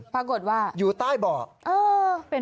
ปรากฏว่าอยู่ใต้เบาะ